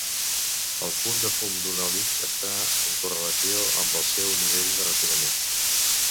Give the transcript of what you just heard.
El punt de fum d'un oli està en correlació amb el seu nivell de refinament.